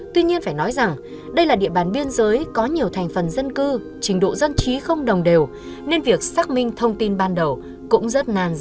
tuy nhiên phải nói rằng đây là địa bàn biên giới có nhiều thành phần dân cư trình độ dân trí không đồng đều nên việc xác minh thông tin ban đầu cũng rất nan dại